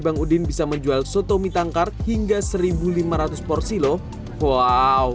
bang udin bisa menjual soto mie tangkar hingga seribu lima ratus porsi loh wow